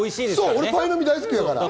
俺、パイの実、大好きだから。